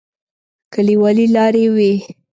کليوالي لارې وې.